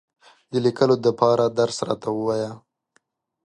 د لیکلو دپاره درس راته ووایه !